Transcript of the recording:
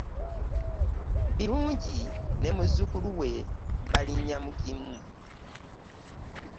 Birungi ne muzzukulu we balinnya mu kimu.